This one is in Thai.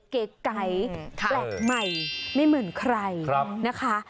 เก๋ไก่แปลกใหม่ไม่เหมือนใครนะคะ